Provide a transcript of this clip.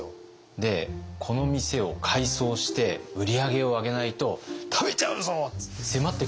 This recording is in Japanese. で「この店を改装して売り上げを上げないと食べちゃうぞ！」って迫ってくるんです。